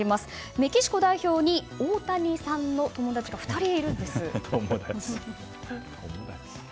メキシコ代表に大谷さんの友達が２人いるんです。